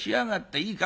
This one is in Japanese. いいか？